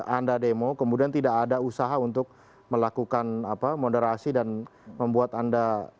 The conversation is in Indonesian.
anda demo kemudian tidak ada usaha untuk melakukan moderasi dan membuat anda